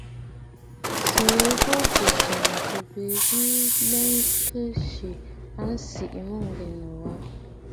Sɨrɨ bo bɨ̀ bɨ̀jààntə̂ bi bɔ kì ghɛ̀ɛ a nsìʼi mûŋgèn wâ.